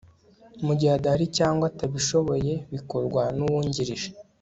mugihe adahari cyangwa atabishoboye bikorwa n'umwungirije